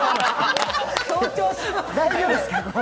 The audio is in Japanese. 大丈夫ですか。